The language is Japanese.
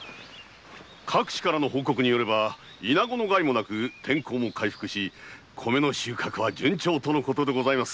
各地からの報告によればイナゴの害もなく天候も回復し米の収穫は順調とのことでございます。